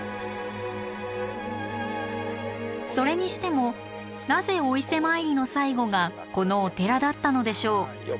それにしてもなぜお伊勢参りの最後がこのお寺だったのでしょう？